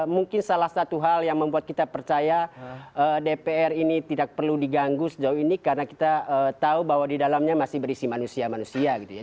mungkin salah satu hal yang membuat kita percaya dpr ini tidak perlu diganggu sejauh ini karena kita tahu bahwa di dalamnya masih berisi manusia manusia gitu ya